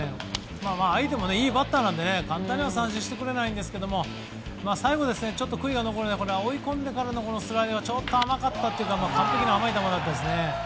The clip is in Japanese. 相手もいいバッターなので簡単には三振してくれないんですけれども最後、ちょっと悔いが残るのは追い込んでからのスライダーがちょっと甘かったというか完璧に甘い球だったんですね。